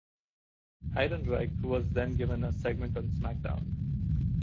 Heidenreich was then given a segment on SmackDown!